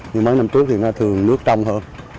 như mấy năm trước thì nó thường nước trong hơn